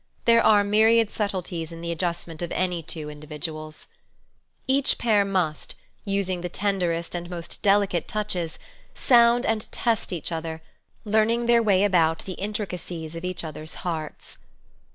There are myriad subtleties in the adjust f ment of any two individuals. ' 5 12 Married Love Each pair must, using the tenderest and most delicate touches, sound and test each other, learn ing their way about the intricacies of each other's hearts.